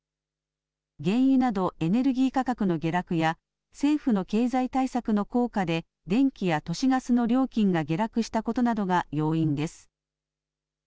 原油などエネルギー価格の下落や政府の経済対策の効果で電気や都市ガスの料金が下落したことなどが要因です。